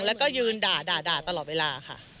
แล้วก็ยืนด่าตลอดเวลาค่ะ